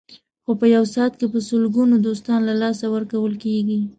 خو په یو ساعت کې په لسګونو دوستان له لاسه ورکول کېږي.